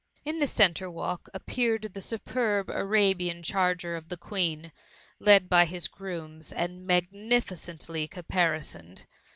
In the centre walk, appeared the superb Ara bian charger of the Queen, led by his grooms, and magnificently caparisoned.